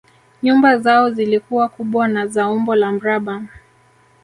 Nyumba zao zilikuwa kubwa na za umbo la mraba